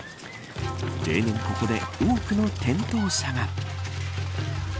例年、ここで多くの転倒者が。